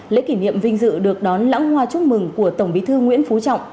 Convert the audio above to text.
lễ kỷ niệm vinh dự được đón lãng hoa chúc mừng của tổng bí thư nguyễn phú trọng